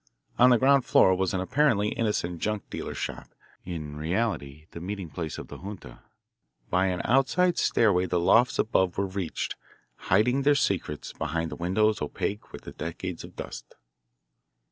On the ground floor was an apparently innocent junk dealer's shop, in reality the meeting place of the junta. By an outside stairway the lofts above were reached, hiding their secrets behind windows opaque with decades of dust.